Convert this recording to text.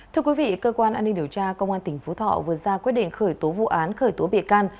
thưa quý vị cơ quan an ninh điều tra công an tỉnh phú thọ vừa ra quyết định khởi tố vụ án khởi tố bị can